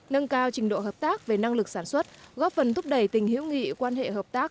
nâng cao trình độ hợp tác về năng lực sản xuất góp phần thúc đẩy tình hữu nghị quan hệ hợp tác